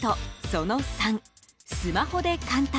その３スマホで簡単！